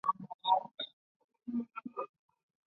两年后重返有线新闻任高级记者。